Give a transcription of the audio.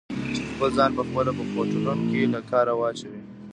چې خپل ځان په خپله په خوټلون کې له کاره واچوي؟